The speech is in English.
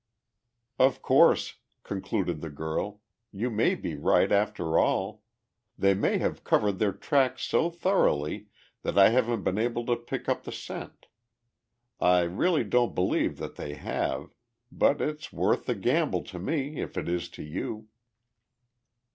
"Of course," concluded the girl, "you may be right, after all. They may have covered their tracks so thoroughly that I haven't been able to pick up the scent. I really don't believe that they have but it's worth the gamble to me if it is to you."